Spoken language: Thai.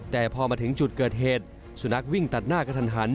แต่พอมาถึงจุดเกิดเหตุสุนัขวิ่งตัดหน้ากระทันหัน